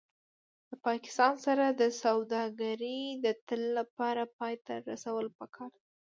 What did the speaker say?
د پاکستان سره سوداګري د تل لپاره پای ته رسول پکار دي